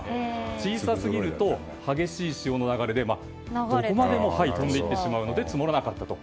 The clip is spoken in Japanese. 小さすぎると激しい潮の流れでどこまでも飛んで行ってしまうので積もらなかったと。